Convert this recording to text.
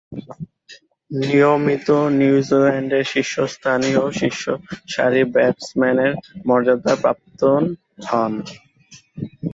নিয়মিতভাবে নিউজিল্যান্ডের শীর্ষস্থানীয় শীর্ষসারির ব্যাটসম্যানের মর্যাদা প্রাপ্ত হন।